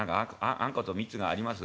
『あんこと蜜があります』？